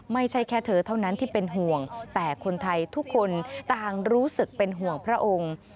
ไม่ใช่แค่เธอเท่านั้นที่เป็นห่วงแต่คนไทยทุกคนต่างรู้สึกเป็นห่วงพระองค์